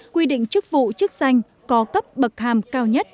quy định chức vụ chức danh có cấp bậc hàm cao nhất